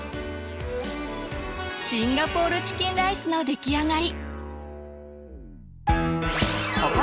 「シンガポールチキンライス」の出来上がり！